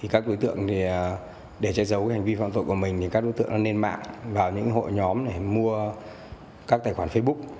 các đối tượng để trái giấu hành vi phạm tội của mình nên mạng vào những hội nhóm để mua các tài khoản facebook